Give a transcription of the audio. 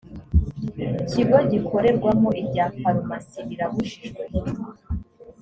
kigo gikorerwamo ibya farumasi birabujijwe